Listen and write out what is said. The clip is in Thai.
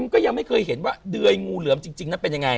ก็ยังไม่เคยเห็นว่าเดยงูเหลือมจริงนั้นเป็นยังไง